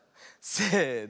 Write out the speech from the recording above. せの。